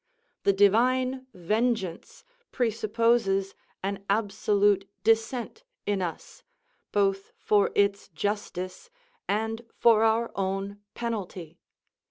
The divine vengeance presupposes an absolute dissent in us, both for its justice and for our own penalty.